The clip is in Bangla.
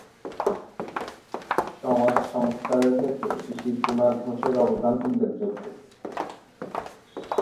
সমাজ সংস্কারের ক্ষেত্রে শিশির কুমার ঘোষের অবদান উল্লেখযোগ্য।